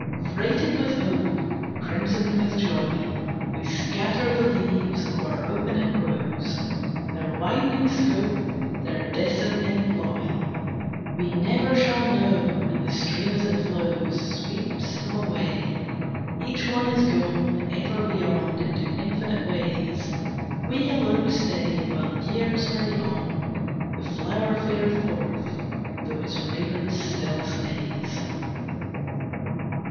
Freighted with hope, Crimsoned with joy, We scatter the leaves of our opening rose; Their widening scope, Their distant employ, We never shall know. And the stream as it flows Sweeps them away, Each one is gone Ever beyond into infinite ways. We alone stay While years hurry on, The flower fared forth, though its fragrance still stays.